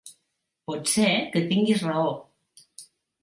Pot ser que tinguis raó.